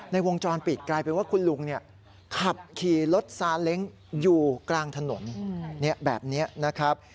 วงจรปิดกลายเป็นว่าคุณลุงขับขี่รถซาเล้งอยู่กลางถนนแบบนี้นะครับ